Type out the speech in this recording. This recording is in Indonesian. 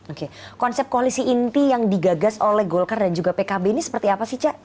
oke konsep koalisi inti yang digagas oleh golkar dan juga pkb ini seperti apa sih cak